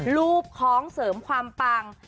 รูปคล้องเสริมความปัง